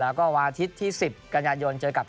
แล้วก็วันอาทิตย์ที่๑๐กันยายนเจอกับ